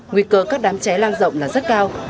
nguy cơ các đám cháy lan rộng là rất cao